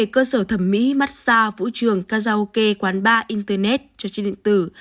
cơ sở thẩm mỹ mát xa vũ trường karaoke quán bar internet cho truyền định tử